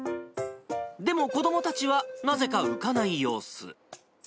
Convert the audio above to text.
でも、子どもたちはなぜか浮かない様子。